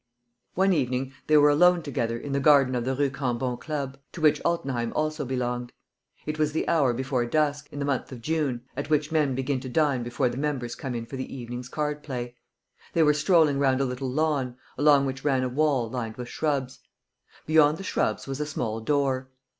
One evening, they were alone together in the garden of the Rue Cambon Club, to which Altenheim also belonged. It was the hour before dusk, in the month of June, at which men begin to dine before the members come in for the evening's card play. They were strolling round a little lawn, along which ran a wall lined with shrubs. Beyond the shrubs was a small door.